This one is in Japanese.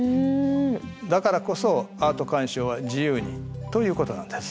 だからこそアート鑑賞は自由に！ということなんです。